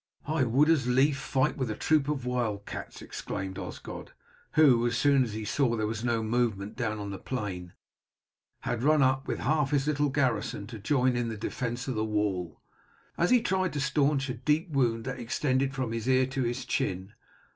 "I would as lief fight with a troop of wild cats," exclaimed Osgod who, as soon as he saw that there was no movement down on the plain, had run up with half his little garrison to join in the defence of the wall, as he tried to staunch a deep wound that extended from his ear to his chin.